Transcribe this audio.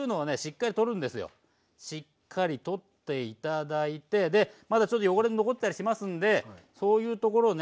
しっかり取って頂いてまだちょっと汚れも残ってたりしますんでそういうところをね